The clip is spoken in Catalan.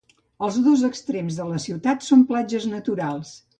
Els dos extrems de la ciutat són platges naturals.